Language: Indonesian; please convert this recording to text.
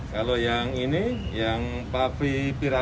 kalau yang ini yang pavira